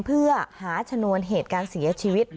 เพื่อหาชนวนเหตุการณ์เสียชีวิต